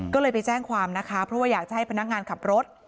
ก็เลยไปแจ้งความนะคะเพราะว่าอยากจะให้พนักงานขับรถ